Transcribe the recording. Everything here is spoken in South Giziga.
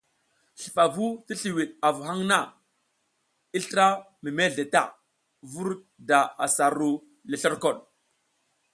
Slufavu ti sliwiɗ avu haŋ na i slra mi mezle ta vur da asa ru le slurkoɗ.